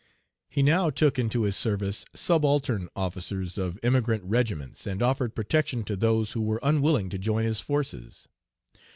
He now took into his service subaltern officers of emigrant regiments, and offered protection to those who were unwilling to join his forces.